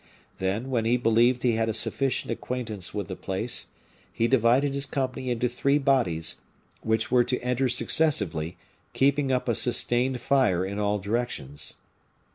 Then, when he believed he had a sufficient acquaintance with the place, he divided his company into three bodies, which were to enter successively, keeping up a sustained fire in all directions.